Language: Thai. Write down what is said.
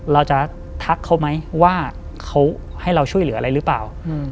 ทักเขาไหมว่าเขาให้เราช่วยเหลืออะไรหรือเปล่า